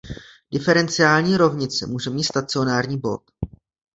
Diferenciální rovnice může mít stacionární bod.